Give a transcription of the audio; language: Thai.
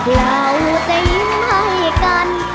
เราจะยิ้มด้วยกัน